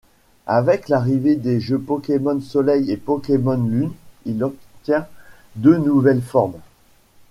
Avec l'arrivée des jeux Pokémon Soleil et Pokémon Lune, il obtient deux nouvelles formes.